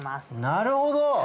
なるほど！